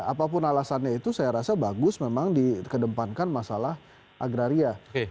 apapun alasannya itu saya rasa bagus memang dikedepankan masalah agraria